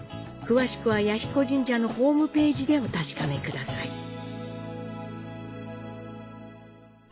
詳しくは彌彦神社のホームページでお確かめください。